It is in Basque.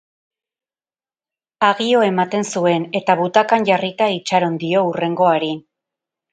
Aggio ematen zuen, eta butakan jarrita itxaron dio hurrengoari.